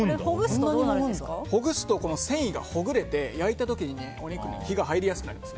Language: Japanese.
ほぐすと繊維がほぐれて焼いた時にお肉に火が入りやすくなります。